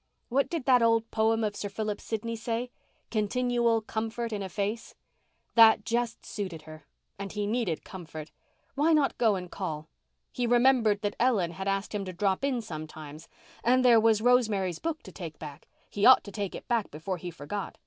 What did that old poem of Sir Philip Sidney's say?—"continual comfort in a face"—that just suited her. And he needed comfort. Why not go and call? He remembered that Ellen had asked him to drop in sometimes and there was Rosemary's book to take back—he ought to take it back before he forgot.